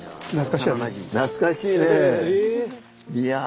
懐かしいね！